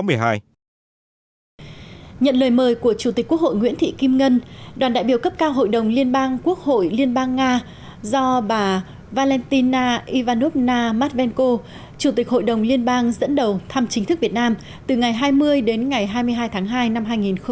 nhận lời mời của chủ tịch quốc hội nguyễn thị kim ngân đoàn đại biểu cấp cao hội đồng liên bang quốc hội liên bang nga do bà valentina ivanovna matvenko chủ tịch hội đồng liên bang dẫn đầu thăm chính thức việt nam từ ngày hai mươi đến ngày hai mươi hai tháng hai năm hai nghìn hai mươi